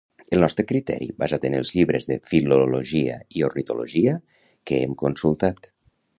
El nostre criteri basat en els llibres de filologia i ornitologia que hem consultat